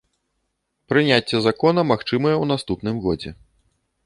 Прыняцце закона магчымае ў наступным годзе.